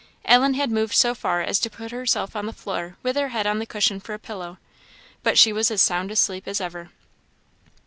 Ellen had moved so far as to put herself on the floor with her head on the cushion for a pillow, but she was as sound asleep as ever.